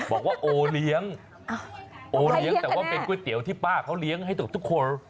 บอกว่าโอเลี้ยงโอเลี้ยงแต่ว่าเป็นก๋วยเตี๋ยวที่ป้าเขาเลี้ยงให้กับทุกคน